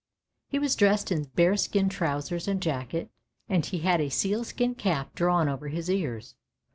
He was dressed in bearskin trousers and jacket, and he had a sealskin cap drawn over his ears.